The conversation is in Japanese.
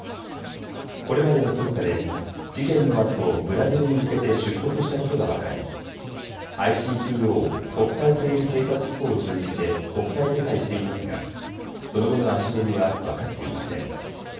これまでの捜査で事件のあとブラジルに向けて出国したことが分かりＩＣＰＯ・国際刑事警察機構を通じて国際手配していますがその後の足取りは分かっていません。